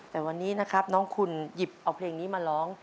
แต่วันนี้นะครับน้องคุณหยิบเอาเพลงนี้มาร้อง